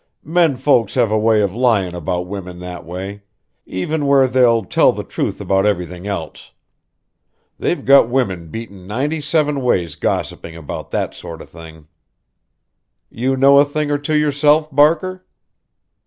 Men folks have a way of lyin' about women that way, even where they'll tell the truth about everything else. They've got women beaten ninety seven ways gossiping about that sort of thing." "You know a thing or two yourself, Barker?"